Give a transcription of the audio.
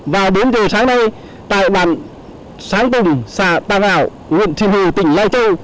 vào bốn giờ sáng nay tại bản sáng tùng xã tà rảo huyện sinh hồ tỉnh lai châu